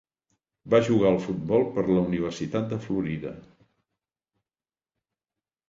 Va jugar al futbol per la Universitat de Florida.